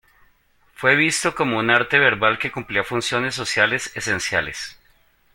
Fue visto como un arte verbal que cumplía funciones sociales esenciales.